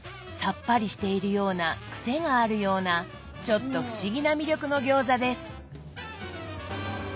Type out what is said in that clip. さっぱりしているようなクセがあるようなちょっと不思議な魅力の餃子です。